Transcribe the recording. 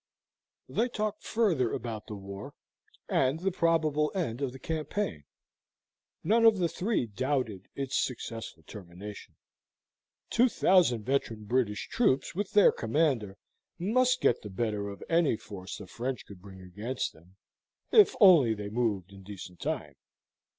They talked further about the war, and the probable end of the campaign: none of the three doubted its successful termination. Two thousand veteran British troops with their commander must get the better of any force the French could bring against them, if only they moved in decent time.